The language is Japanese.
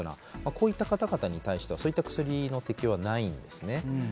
こういった方々に関してはそういった薬の適用はないんですね。